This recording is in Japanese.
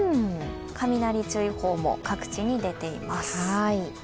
雷注意報も各地に出ています。